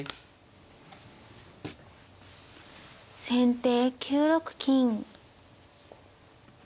先手９六金。